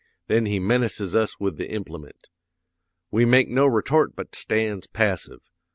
Then he menaces us with the implement. "'We makes no retort but stands passive.